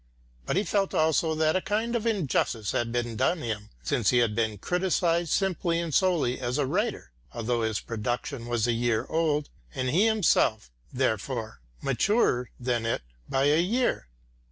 But he felt also that a kind of injustice had been done him since he had been criticised simply and solely as a writer, although his production was a year old, and he himself, therefore, maturer than it, by a year.